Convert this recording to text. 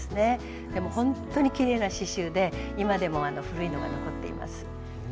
でもほんとにきれいな刺しゅうで今でも古いのが残っています。